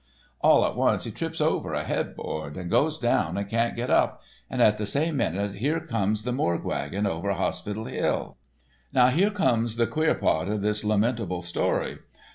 All at once he trips over a headboard, and goes down and can't get up, and at the same minute here comes the morgue wagon over Hospital Hill. "Now here comes the queer part of this lamentable history.